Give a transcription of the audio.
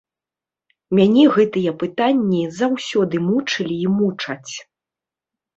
Мяне гэтыя пытанні заўсёды мучылі і мучаць.